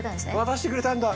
渡してくれたんだ！